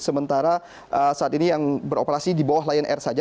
sementara saat ini yang beroperasi di bawah lion air saja